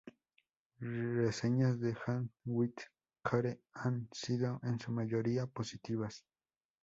Reseñas de Handle with Care han sido en su mayoría positivas.